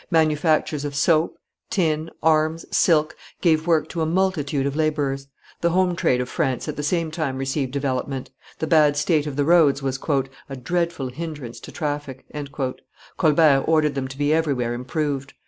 Manufactures of soap, tin, arms, silk, gave work to a multitude of laborers; the home trade of France at the same time received development; the bad state of the roads was "a dreadful hinderance to traffic;" Colbert ordered them to be every where improved.